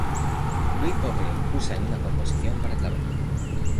Louis Couperin usa en una composición para clave.